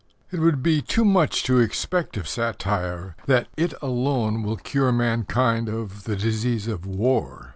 It would be too much to expect of satire that it alone will cure mankind of the disease of war.